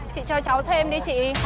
chị cho cháu thêm đi chị